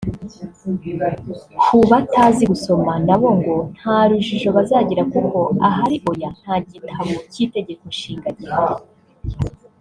Ku batazi gusoma nabo ngo nta rujijo bazagira kuko ahari ‘Oya’ nta gitabo cy’Itegeko Nshinga gihari